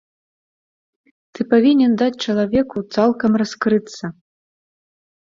Ты павінен даць чалавеку цалкам раскрыцца.